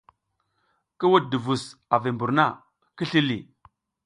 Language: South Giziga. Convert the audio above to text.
Ki wuɗ duvus a vi mbur na, ki sli ləh.